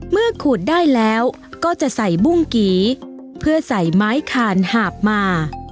ขูดได้แล้วก็จะใส่บุ้งกี่เพื่อใส่ไม้คานหาบมา